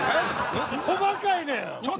細かいねん！